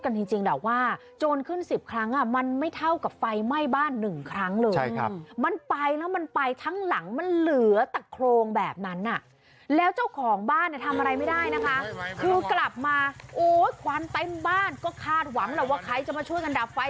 โอ้ยควันเต็มบ้านก็คาดหวังแล้วว่าใครจะมาช่วยกันดับไฟ